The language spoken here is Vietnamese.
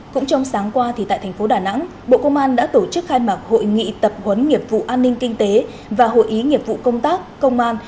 cũng trong sáng qua tại thành phố đà nẵng bộ công an đã tổ chức khai mạc hội nghị tập huấn nghiệp vụ an ninh kinh tế và hội ý nghiệp vụ công tác công an